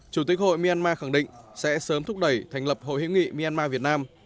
chủ tịch hội myanmar khẳng định sẽ sớm thúc đẩy thành lập hội hữu nghị myanmar việt nam